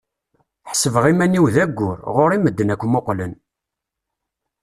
Ḥesbeɣ iman-iw d ayyur, ɣur-i medden akk mmuqlen.